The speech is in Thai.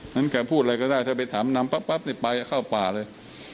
งั้นแกพูดอะไรก็ได้ถ้าไปถามนำปั๊บนี่ไปเข้าป่าเลย